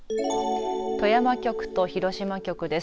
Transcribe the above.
富山局と広島局です。